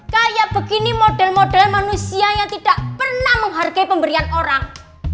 kayak begini model model manusia yang tidak pernah menghargai pemberian orang